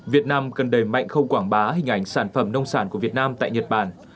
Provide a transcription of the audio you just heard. việt nam cần đẩy mạnh khâu quảng bá hình ảnh sản phẩm nông sản của việt nam tại nhật bản